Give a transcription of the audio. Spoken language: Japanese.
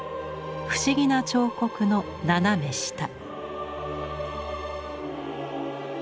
不思議な彫刻の斜め下。